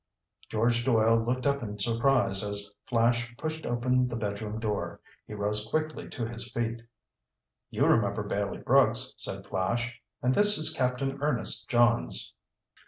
George Doyle looked up in surprise as Flash pushed open the bedroom door. He rose quickly to his feet. "You remember Bailey Brooks," said Flash. "And this is Captain Ernest Johns."